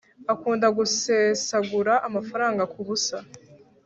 akunda gusesagura amafaranga ku busa